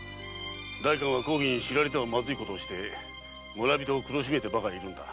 代官は公儀に知られてはまずいことをして村人を苦しめてばかりいるんだ。